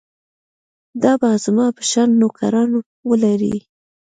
دا به زما په شان نوکران ولري.